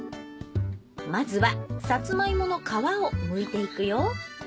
まずはさつまいもの皮をむいていくよ。